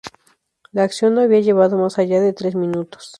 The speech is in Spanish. La acción no había llevado más allá de tres minutos.